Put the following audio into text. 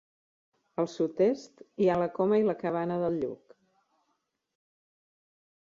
Al sud-est hi ha la Coma i la Cabana del Lluc.